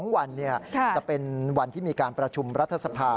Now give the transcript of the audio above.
๒วันจะเป็นวันที่มีการประชุมรัฐสภา